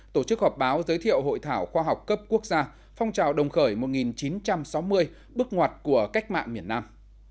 tổ chức họp báo giới thiệu hội thảo khoa học cấp quốc gia phong trào đồng khởi một nghìn chín trăm sáu mươi bước ngoặt của cách mạng miền nam